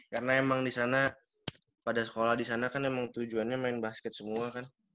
karena emang disana pada sekolah disana kan emang tujuannya main basket semua kan